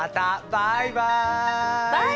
バイバイ！